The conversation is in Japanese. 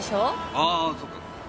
ああそうか。